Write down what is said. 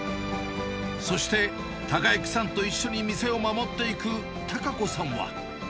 そして孝之さんと一緒に店を守っていく貴子さんは。